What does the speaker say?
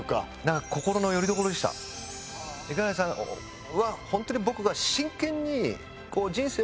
いかりやさんはホントに僕が。